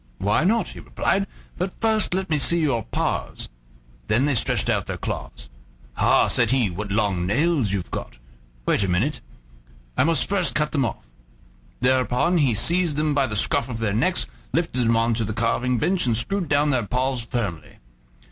"Why not?" he replied; "but first let me see your paws." Then they stretched out their claws. "Ha!" said he; "what long nails you've got! Wait a minute: I must first cut them off." Thereupon he seized them by the scruff of their necks, lifted them on to the carving bench, and screwed down their paws firmly.